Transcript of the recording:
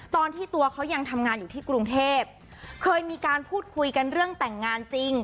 ตอนที่ตัวเขายังทำงานอยู่ที่กรุงเทพเคยมีการพูดคุยกันเรื่องแต่งงานจริง